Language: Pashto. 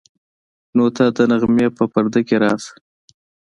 نو ته د نغمې په پرده کې راشه.